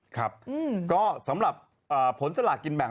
ก็สำหรับผลสละกินแบ่ง